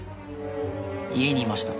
家にいました。